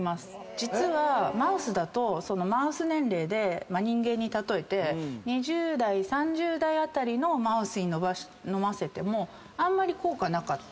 実はマウスだとマウス年齢で人間に例えて２０代３０代辺りのマウスに飲ませてもあんまり効果なかった。